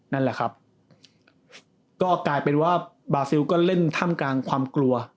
นั่นแหละครับก็กลายเป็นว่าบาซิลก็เล่นท่ามกลางความกลัว